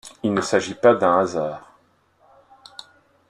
Il ne s'agit pas d'un hasard.